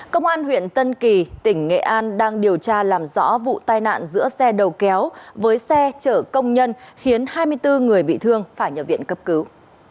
công an huyện tân kỳ tỉnh nghệ an đang điều tra làm rõ vụ tai nạn giữa xe đầu kéo với xe chở công nhân khiến hai mươi bốn người bị thương phải nhập viện cấp cứu